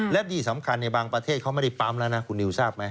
และที่สำคัญในบางประเทศเขาไม่ได้ปั๊มแล้วนะคุณนิวทราบไหม